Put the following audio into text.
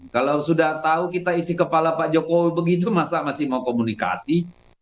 kalau sudah tahu kita isi kepala pak jokowi begitu masa masih mau komunikasi